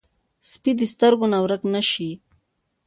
سپي د سترګو نه ورک نه شي.